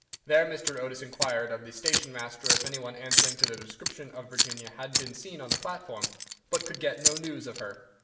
There Mr. Otis inquired of the station master if any one answering to the description of Virginia had been seen on the platform, but could get no news of her.